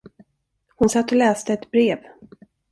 Hon satt och läste ett brev.